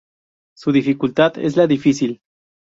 Su dificultad es la "Difícil".